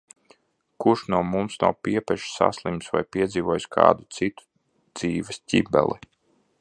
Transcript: Kurš no mums nav piepeši saslimis vai piedzīvojis kādu citu dzīves ķibeli.